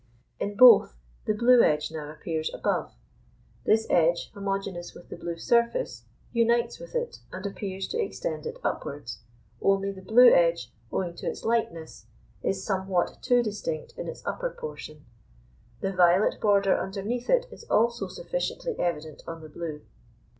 In both the blue edge now appears above; this edge, homogeneous with the blue surface, unites with it, and appears to extend it upwards, only the blue edge, owing to its lightness, is somewhat too distinct in its upper portion; the violet border underneath it is also sufficiently evident on the blue.